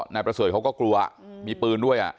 นายประเสริฐเขาก็กลัวมีปืนด้วย